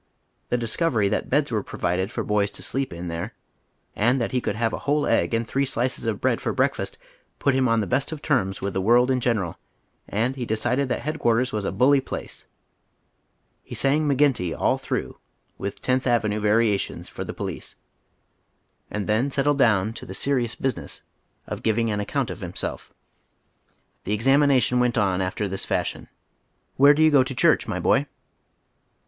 The discovery that beds were provided for boys to sleep in there, and that he could have " a whole egg " and three slices of bread for breakfast put him on tlie best of terms with the world in general, and he decided that Headquarters was " a bully place." He oy Google 184 HOW THE OTHER HALF LIVES. sang " McGinty " all through, with Tenth Avenue varia tions, for the police, and then settled down to the serious biifiiness of giving an account of himself. The examina tion went on after this fashion :" Where do you go to cliurch, my boy